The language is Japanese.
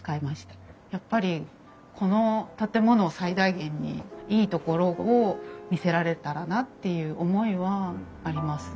やっぱりこの建物を最大限にいいところを見せられたらなっていう思いはあります。